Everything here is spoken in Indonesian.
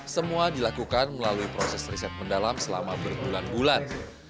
semua dilakukan melalui proses riset mendalam selama berbulan bulan